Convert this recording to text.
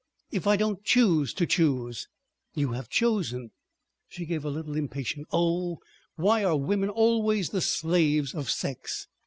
"If I don't choose to choose?" "You have chosen." She gave a little impatient "Oh! Why are women always the slaves of sex?